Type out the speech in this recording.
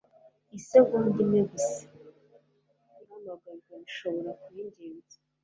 Isegonda imwe gusa. Ihamagarwa rishobora kuba ingenzi.